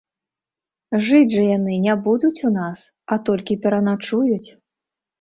Жыць жа яны не будуць у нас, а толькі пераначуюць.